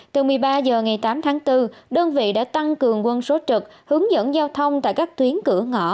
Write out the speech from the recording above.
từ một mươi ba h ngày tám tháng bốn đơn vị đã tăng cường quân số trực hướng dẫn giao thông tại các tuyến cửa ngõ